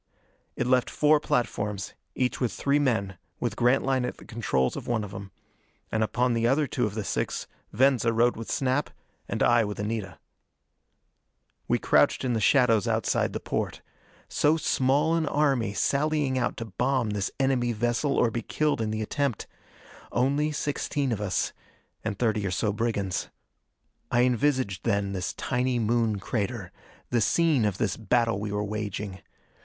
It left four platforms, each with three men, with Grantline at the controls of one of them. And upon the other two of the six Venza rode with Snap, and I with Anita. We crouched in the shadows outside the porte. So small an army, sallying out to bomb this enemy vessel or be killed in the attempt! Only sixteen of us. And thirty or so brigands. I envisaged then this tiny Moon crater, the scene of this battle we were waging.